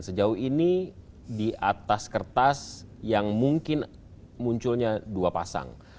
sejauh ini di atas kertas yang mungkin munculnya dua pasang